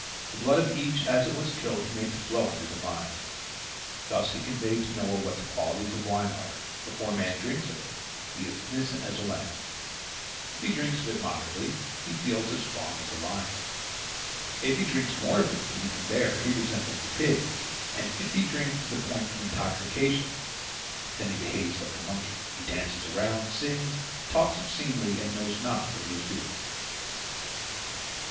The blood of each as it was killed he made to flow under the vine. Thus he conveyed to Noah what the qualities of wine are: before man drinks of it, he is innocent as a lamb; if he drinks of it moderately, he feels as strong as a lion; if he drinks more of it than he can bear, he resembles the pig; and if he drinks to the point of intoxication, then he behaves like a monkey, he dances around, sings, talks obscenely, and knows not what he is doing.